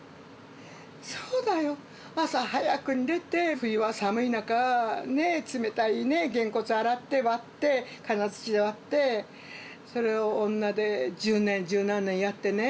そうだよ、朝早くに出て、冬は寒い中、冷たいね、ゲンコツ洗って割って、金づちで割って、それを女で１０年、十何年やってね。